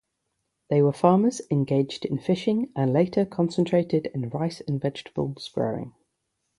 They were farmers engaged in fishing and later concentrated in rice and vegetables growing.